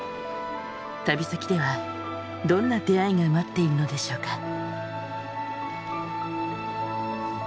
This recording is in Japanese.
旅先ではどんな出会いが待っているのでしょうか？